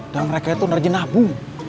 dan mereka itu narjinabu